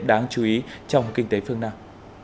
đáng chú ý trong kinh tế phương nam